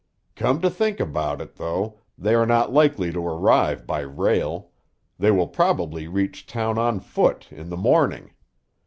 "Come to think about it, though, they are not likely to arrive by rail; they will probably reach town on foot, in the morning.